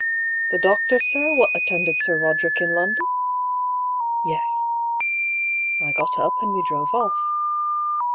"The doctor, sir, what attended Sir Roderick in London ?" "Yes." I got up, and we drove oflf.